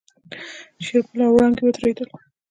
شېرګل او وړانګې ودرېدل.